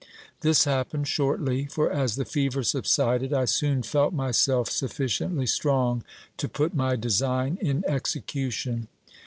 This happened shortly; for as the fever subsided, I soon felt myself sufficiently strong to put my design in execution.